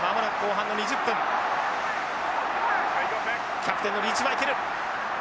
キャプテンのリーチマイケル。